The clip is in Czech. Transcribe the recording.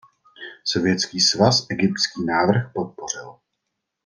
Sovětský svaz egyptský návrh podpořil.